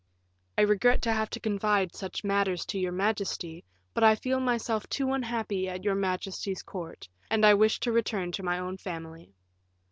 "I regret to have to confide such matters to your majesty, but I feel myself too unhappy at your majesty's court; and I wish to return to my own family."